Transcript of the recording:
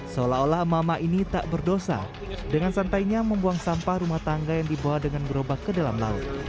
seolah olah mama ini tak berdosa dengan santainya membuang sampah rumah tangga yang dibawa dengan gerobak ke dalam laut